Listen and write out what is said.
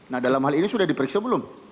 nah dalam hal ini sudah diperiksa belum